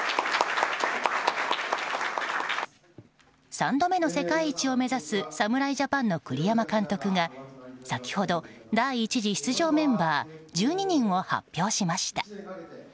３度目の世界一を目指す侍ジャパンの栗山監督が先ほど、第１次出場メンバー１２人を発表しました。